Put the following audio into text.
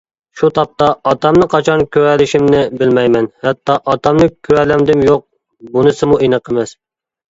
شۇ تاپتا ئاتامنى قاچان كۆرەلىشىمنى بىلمەيمەن، ھەتتا ئاتامنى كۆرەلەمدىم يوق، بۇنىسىمۇ ئېنىق ئەمەس.